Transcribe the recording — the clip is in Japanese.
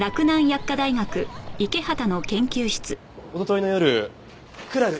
おとといの夜クラル